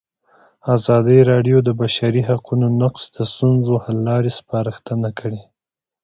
ازادي راډیو د د بشري حقونو نقض د ستونزو حل لارې سپارښتنې کړي.